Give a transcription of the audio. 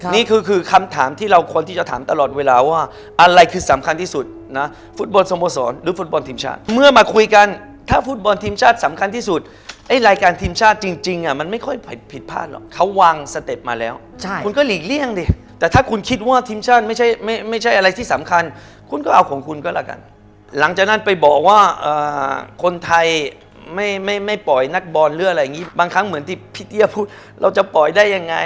นี่คือคำถามที่เราควรที่จะถามตลอดเวลาว่าอะไรคือสำคัญที่สุดนะฟุตบอลสมสรรค์หรือฟุตบอลทีมชาติเมื่อมาคุยกันถ้าฟุตบอลทีมชาติสำคัญที่สุดไอ้รายการทีมชาติจริงอ่ะมันไม่ค่อยผิดผ้าหรอกเขาวางสเต็ปมาแล้วคุณก็หลีกเลี่ยงดิแต่ถ้าคุณคิดว่าทีมชาติไม่ใช่ไม่ใช่อะไรที่สำคัญค